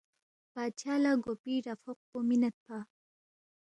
بادشاہ لہ گوپی ڈافوق پو مِنیدپا